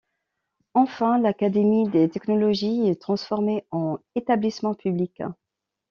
Enfin, l'Académie des technologies est transformée en établissement public.